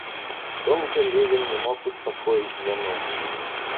Долго Левин не мог успокоить жену.